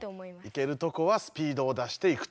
いけるとこはスピードを出していくと。